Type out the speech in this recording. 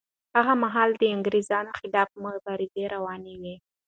هغه مهال د انګریزۍ خلاف مبارزه روانه وه.